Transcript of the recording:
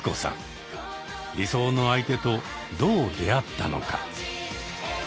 理想の相手とどう出会ったのか。